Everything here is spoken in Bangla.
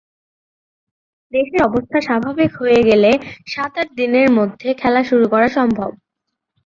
দেশের অবস্থা স্বাভাবিক হয়ে গেলে সাত-আট দিনের মধ্যে খেলা শুরু করা সম্ভব।